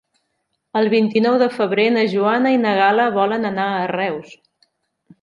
El vint-i-nou de febrer na Joana i na Gal·la volen anar a Reus.